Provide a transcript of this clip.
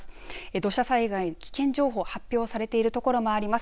土砂災害、危険情報が発表されている所もあります。